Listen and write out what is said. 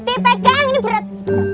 ditip pegang ini berat